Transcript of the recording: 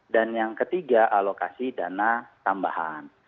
dan yang ketiga alokasi dana tambahan